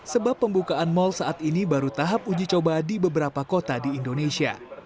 sebab pembukaan mal saat ini baru tahap uji coba di beberapa kota di indonesia